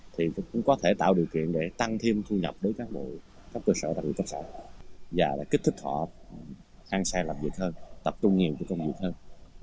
thì cũng có thể tạo điều kiện để tăng thêm thu nhập đối với các bộ các cơ sở tạp dụng cơ sở và kích thích họ ăn xe làm việc hơn tập trung nhiều với công việc hơn